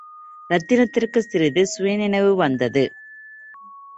ரத்தினத்துக்குச் சிறிது சுயநினைவு வந்தது.